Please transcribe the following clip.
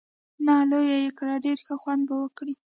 نه، لویه یې کړه، ډېر ښه خوند به وکړي.